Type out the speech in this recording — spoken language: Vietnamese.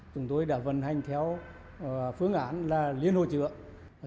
chúng tôi đã vận hành theo phương án liên hồ trợ